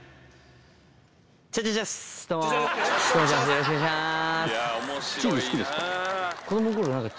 よろしくお願いします。